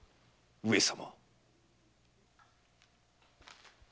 上様。